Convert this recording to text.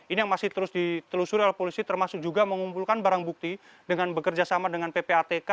ini yang masih terus ditelusuri oleh polisi termasuk juga mengumpulkan barang bukti dengan bekerja sama dengan ppatk